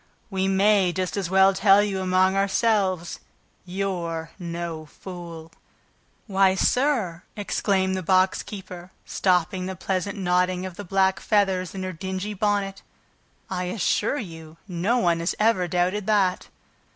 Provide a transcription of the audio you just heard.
"We may just as well tell you, among ourselves ... you're no fool!" "Why, sir," exclaimed the box keeper, stopping the pleasant nodding of the black feathers in her dingy bonnet, "I assure you no one has ever doubted that!"